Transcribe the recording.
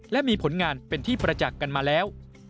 และมีผลงานเป็นที่ประจักษ์กันมาแล้ว